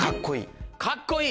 「かっこいい」。